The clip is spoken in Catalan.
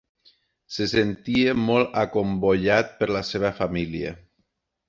Se sentia molt acomboiat per la seva família.